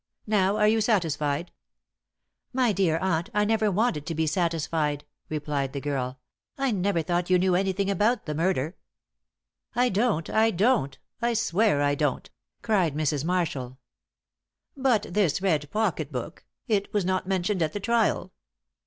Now, are you satisfied?" "My dear aunt, I never wanted to be satisfied," replied the girl. "I never thought you knew anything about the murder." "I don't I don't! I swear I don't!" cried Mrs. Marshall. "But this red pocket book it was not mentioned at the trial."